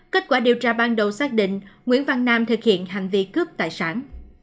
kết quả điều tra ban đầu xác định nguyễn văn nam thực hiện hành vi cướp tài sản